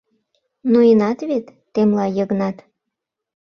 Ноенат вет? — темла Йыгнат.